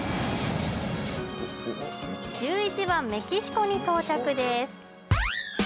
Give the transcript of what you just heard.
１１番メキシコに到着です